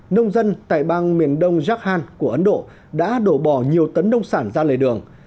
nông dân tại bang miền đông jor của ấn độ đã đổ bỏ nhiều tấn nông sản ra lề đường